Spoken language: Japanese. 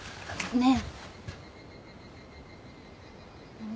ねえ。